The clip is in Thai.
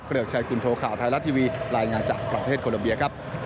เรือกชัยคุณโทข่าวไทยรัฐทีวีรายงานจากประเทศโคลัมเบียครับ